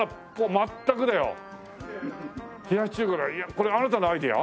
これあなたのアイデア？